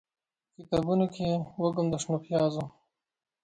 به کتابونوکې یې، وږم د شنو پیازو